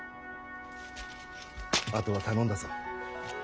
あとは頼んだぞ。